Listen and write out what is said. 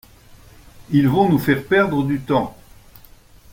Ils vont nous faire perdre du temps.